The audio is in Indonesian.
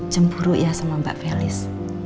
cemburu ya sama mbak felis